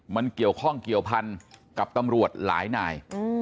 มันเกี่ยวข้องเกี่ยวพันกับตำรวจหลายนาย